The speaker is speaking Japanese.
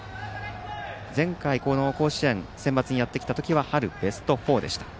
前回、この甲子園センバツにやってきたときは春ベスト４でした。